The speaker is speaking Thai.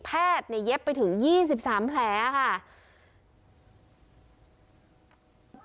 แพทย์เนี่ยเย็บไปถึงยี่สิบสามแผลค่ะ